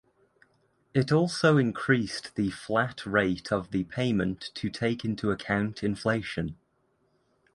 It also increased the flat rate of the payment to take into account inflation.